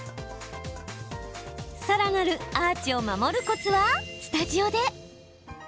さらなるアーチを守るコツはスタジオで。